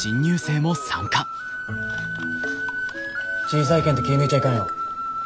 小さいけんって気ぃ抜いちゃいかんよ。